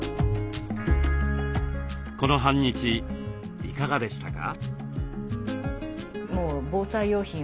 この半日いかがでしたか？